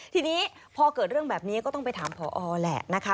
ทีนี้พอเกิดเรื่องแบบนี้ก็ต้องไปถามพอแหละนะคะ